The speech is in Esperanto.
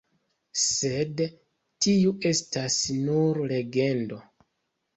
Sed tio estas nur legendo.